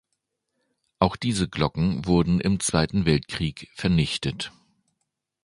Auch diese Glocken wurden im Zweiten Weltkrieg vernichtet.